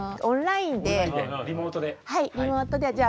オンラインでリモートで。